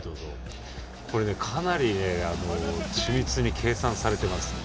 かなり緻密に計算されています。